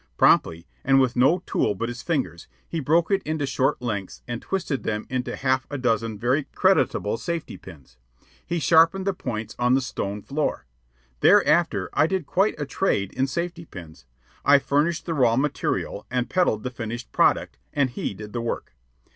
Promptly, and with no tool but his fingers, he broke it into short lengths and twisted them into half a dozen very creditable safety pins. He sharpened the points on the stone floor. Thereafter I did quite a trade in safety pins. I furnished the raw material and peddled the finished product, and he did the work.